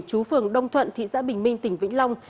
chú phường đông thuận thị xã bình minh tỉnh vĩnh long